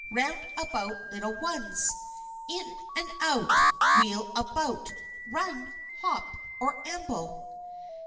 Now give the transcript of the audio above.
Round about little ones! In and out, wheel about, Run, hop, or amble!